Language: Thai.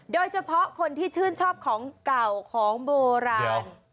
โดยเฉพาะคนที่ชื่นชอบของเก่าของโบราณ